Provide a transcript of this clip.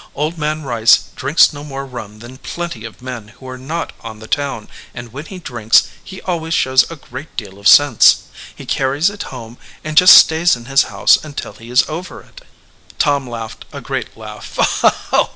Old Man Rice drinks no more rum than plenty of men who are not on the town, and when he drinks he always shows a great deal of sense. He carries it home and just stays in his house until he is over it." Tom laughed a great laugh.